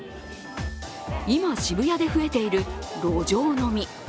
今、渋谷で増えている路上飲み。